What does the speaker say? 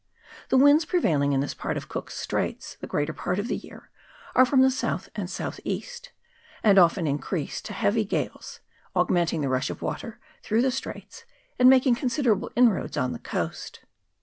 The winds prevailing in this part of Cook's Straits the greater part of the year are from the south and south east, and often increase to heavy gales, augmenting the rush of water through the straits, and making considerable inroads on the coast.